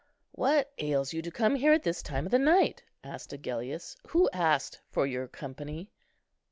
"What ails you to come here at this time of night?" asked Agellius; "who asked for your company?"